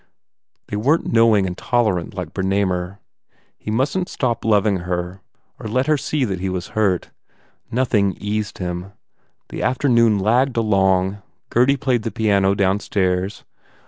They weren t knowing and tolerant like Bernamer. He mustn t stop loving her or let her see that he was hurt. Nothing eased him. The afternoon lagged along. Gurdy played the piano downstairs.